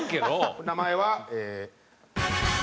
名前は。